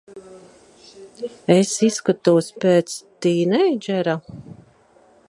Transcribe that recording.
Es izskatos pēc... tīneidžera?